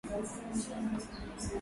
Tenganisha ndama wagonjwa na wazima